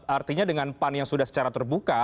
artinya dengan pan yang sudah secara terbuka